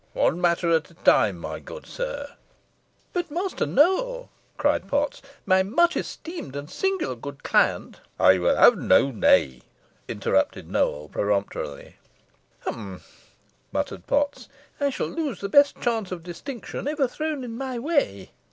One matter at a time, my good sir." "But, Master Nowell," cried Potts, "my much esteemed and singular good client " "I will have no nay," interrupted Nowell, peremptorily. "Hum!" muttered Potts; "I shall lose the best chance of distinction ever thrown in my way."